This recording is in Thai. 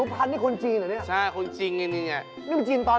เป็นคนจริง